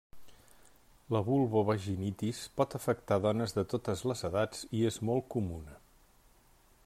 La vulvovaginitis pot afectar dones de totes les edats i és molt comuna.